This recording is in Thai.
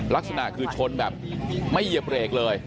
ลักษณะคือชนแบบไม่เหยียบเบรกเลย